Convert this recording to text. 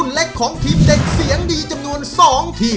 โดยการแข่งขาวของทีมเด็กเสียงดีจำนวนสองทีม